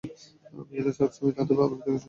মেয়েরা সবসময়ে তাদের বাবার দেখাশোনা করে।